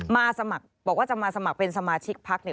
มาสมัครบอกว่าจะมาสมัครเป็นสมาชิกพักเนี่ย